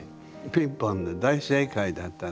ピンポンで大正解だったの。